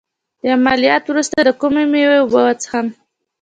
د عملیات وروسته د کومې میوې اوبه وڅښم؟